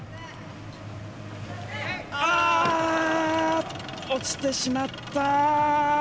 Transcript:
あー、落ちてしまった。